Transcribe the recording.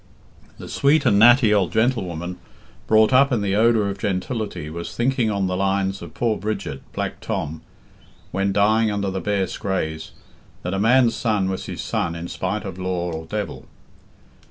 The sweet and natty old gentlewoman, brought up in the odour of gentility, was thinking on the lines of poor Bridget, Black Tom when dying under the bare scraas, that a man's son was his son in spite of law or devil.